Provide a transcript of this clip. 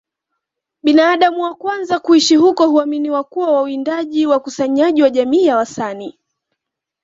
Binadamu wa kwanza kuishi huko huaminiwa kuwa wawindaji wakusanyaji wa jamii ya Wasani